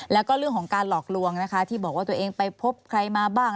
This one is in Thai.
แล้วก็เรื่องของการหลอกลวงนะคะที่บอกว่าตัวเองไปพบใครมาบ้าง